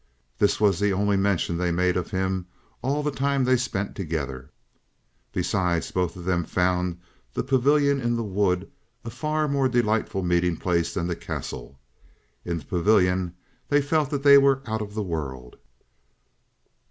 This was the only mention they made of him all the time they spent together. Besides, both of them found the pavilion in the wood a far more delightful meeting place than the Castle. In the pavilion they felt that they were out of the world.